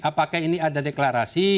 apakah ini ada deklarasi